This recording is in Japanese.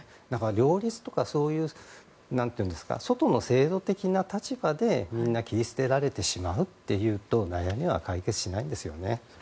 両立とかそういう外の制度的な立場で切り捨てられてしまうと悩みは解決しないんですよね。